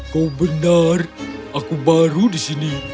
kau benar aku baru di sini